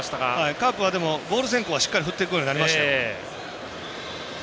カープはボール先行はしっかり振ってくるようになりましたよ。